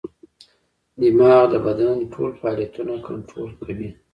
دماغ د بدن ټول فعالیتونه کنټرول کوي.